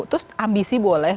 terus ambisi boleh